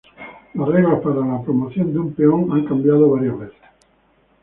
Las reglas para la promoción de un peón han cambiado varias veces.